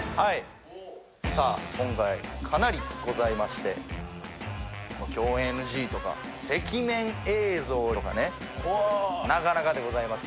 今回かなりございまして共演ＮＧとか赤面映像とかねなかなかでございます